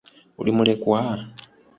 Oli mulekwa?